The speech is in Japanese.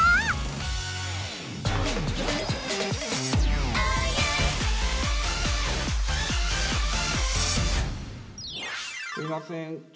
・すいません